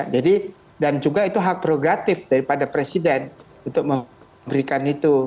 jadi dan juga itu hak progratif daripada presiden untuk memberikan itu